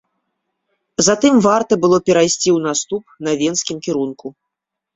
Затым варта было перайсці ў наступ на венскім кірунку.